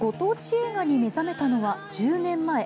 映画に目覚めたのは１０年前。